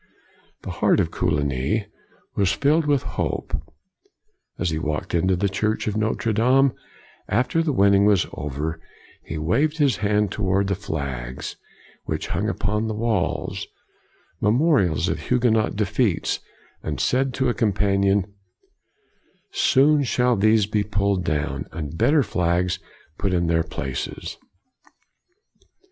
The heart of Coligny 160 COLIGNY was filled with hope. As he walked in the church of Notre Dame, after the wedding was over, he waved his hand toward the flags which hung upon the walls, memo rials of Huguenot defeats, and said to a companion, " Soon shall these be pulled down, and better flags put in their places.''